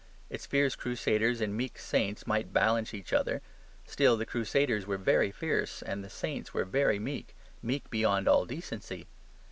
Its fierce crusaders and meek saints might balance each other; still, the crusaders were very fierce and the saints were very meek, meek beyond all decency.